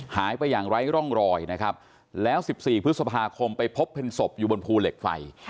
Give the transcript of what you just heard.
หายไปอย่างไร้ร่องรอยนะครับแล้ว๑๔พฤษภาคมไปพบเป็นศพอยู่บนภูเหล็กไฟ